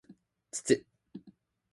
つつ